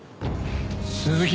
鈴木？